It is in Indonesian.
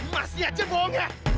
masih aja bohongnya